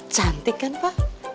cantik kan pak